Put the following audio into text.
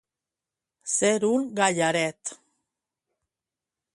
Ser un gallaret.